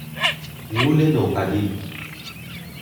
غولِ نوپدید